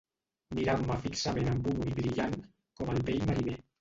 Mirant-me fixament amb un ull brillant, com el vell mariner.